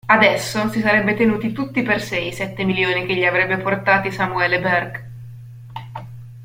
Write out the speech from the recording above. Adesso, si sarebbe tenuti tutti per sé i sette milioni che gli avrebbe portati Samuele Berck.